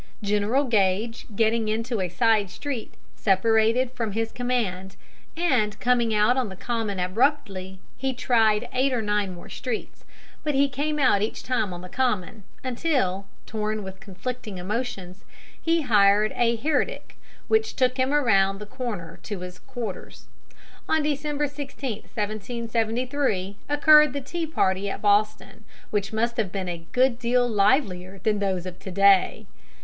General Gage, getting into a side street, separated from his command, and, coming out on the Common abruptly, he tried eight or nine more streets, but he came out each time on the Common, until, torn with conflicting emotions, he hired a Herdic, which took him around the corner to his quarters. On December 16, 1773, occurred the tea party at Boston, which must have been a good deal livelier than those of to day.